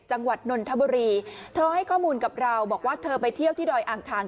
นนทบุรีเธอให้ข้อมูลกับเราบอกว่าเธอไปเที่ยวที่ดอยอ่างคาง